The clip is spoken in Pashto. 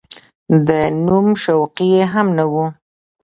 د نوم شوقي یې هم نه و.